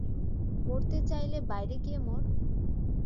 মরতে চাইলে বাইরে গিয়া মর।